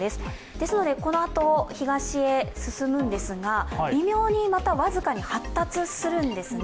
ですのでこのあと、東へ進むんですが、微妙にまた僅かに発達するんですね。